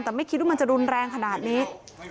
แต่ไม่คิดว่ามันจะรุนแรงขนาดนี้